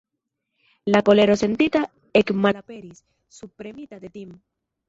La kolero sentita ekmalaperis, subpremita de tim'.